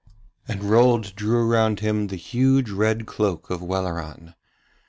And Rold drew round about him the huge red cloak of Welleran.